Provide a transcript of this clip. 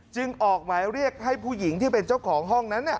ออกหมายเรียกให้ผู้หญิงที่เป็นเจ้าของห้องนั้น